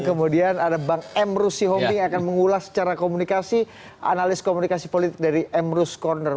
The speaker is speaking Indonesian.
kemudian ada bang emrus sihomi yang akan mengulas secara komunikasi analis komunikasi politik dari emrus corner